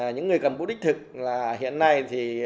những người cầm bút đích thực hiện nay